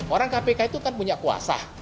orang kpk itu kan punya kuasa